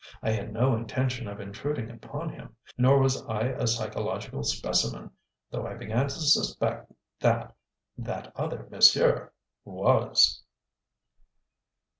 I had no intention of intruding upon him. Nor was I a psychological "specimen," though I began to suspect that "that other monsieur" WAS.